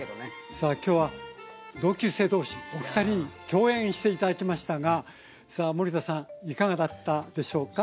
さあ今日は同級生同士お二人に共演して頂きましたが森田さんいかがだったでしょうか？